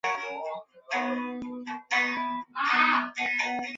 许多程序设计语言都支持利用正则表达式进行字符串操作。